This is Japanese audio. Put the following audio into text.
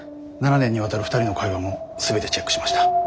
７年にわたる２人の会話も全てチェックしました。